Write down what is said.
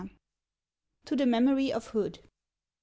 TO THE MEMORY OF HOOD.